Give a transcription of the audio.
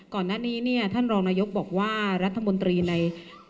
ก่อนหน้านี้เนี่ยท่านรองนายกบอกว่ารัฐมนตรีใน